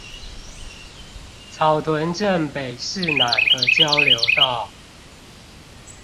草屯鎮北勢湳的交流道